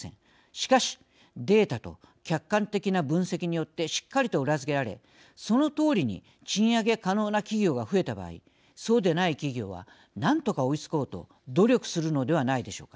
しかし、データと客観的な分析によってしっかりと裏付けられそのとおりに賃上げ可能な企業が増えた場合そうでない企業は何とか追いつこうと努力するのではないでしょうか。